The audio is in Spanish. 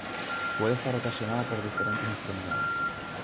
Puede estar ocasionada por diferentes enfermedades.